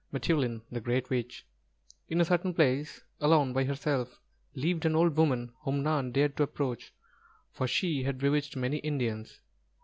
M'TEŪLIN, THE GREAT WITCH In a certain place, alone by herself, lived an old woman whom none dared to approach, for she had bewitched many Indians.